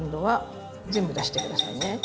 全部出して下さいね。